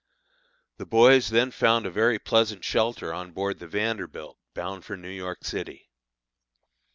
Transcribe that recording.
The boys then found a very pleasant shelter on board the Vanderbilt, bound for New York City.